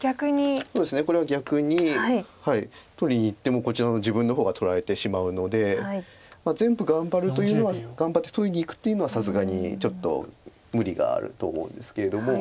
これは逆に取りにいってもこちらの自分の方が取られてしまうので全部頑張るというのは頑張って取りにいくっていうのはさすがにちょっと無理があると思うんですけれども。